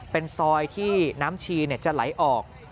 เป็นซอยที่น้ำชีจะไหลออก